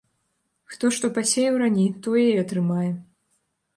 Хто што пасеяў раней, тое і атрымае.